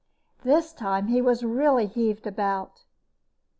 This time he was really heaved about.